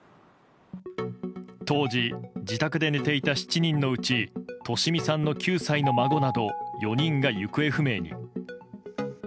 当時、自宅で寝ていた７人のうち利美さんの９歳の孫など４人が行方不明に。